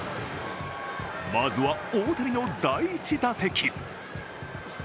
まずは大谷の第１打席。